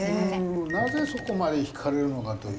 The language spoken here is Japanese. なぜそこまで惹かれるのかというね。